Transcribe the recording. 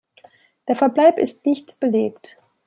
Der Verbleib ist nicht belegt.